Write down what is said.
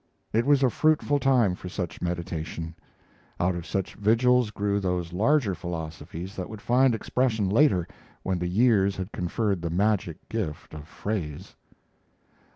It was a fruitful time for such meditation; out of such vigils grew those larger philosophies that would find expression later, when the years had conferred the magic gift of phrase.